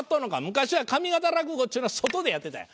昔は上方落語っちゅうのは外でやってたんや。